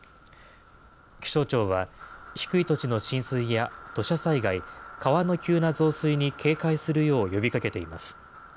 気象庁は、低い土地の浸水や土砂災害、川の急な増水に警戒するよう呼びかけています。